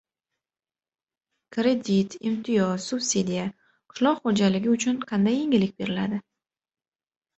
Kredit, imtiyoz, subsidiya. Qishloq xo‘jaligi uchun qanday yengillik beriladi?